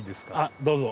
どうぞ。